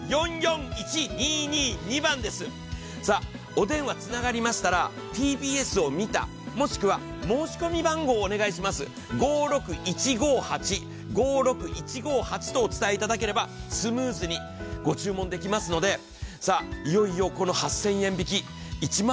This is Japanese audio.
お電話つながりましたから、ＴＢＳを見た、もしくは申し込み番号をお願いします、５６１５８とお伝えいただければスムーズにご注文できますので、いよいよこの８０００円引。